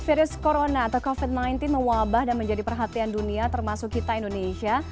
virus corona atau covid sembilan belas mewabah dan menjadi perhatian dunia termasuk kita indonesia